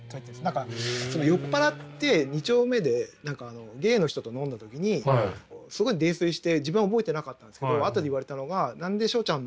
何か酔っ払って二丁目でゲイの人と飲んだ時にすごい泥酔して自分は覚えてなかったんですけどあとで言われたのが「何でしょうちゃん